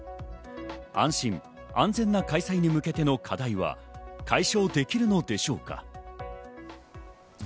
安心・安全な開催に向けての課題は解消できるのでしょうか。